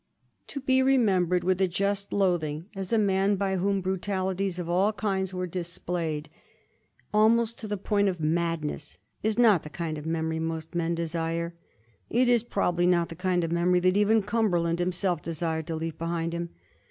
To be remembered with a just loathing as a man by whom brutalities of all kinds were displayed, almost to the point of madness, is not the kind of memory most men desire ; it is probably not the kind of memory that even Cumber land himself desired to leave behind him.